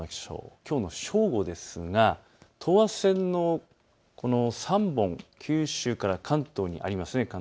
きょうの正午ですが等圧線のこの３本、九州から関東にあります。